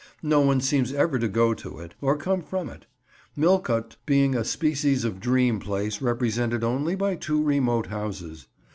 No one seems ever to go to it, or come from it; "Milcote" being a species of dream place represented only by two remote houses.